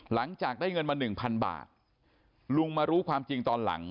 หลังจากได้เงินมาหนึ่งพันบาทลุงมารู้ความจริงตอนหลัง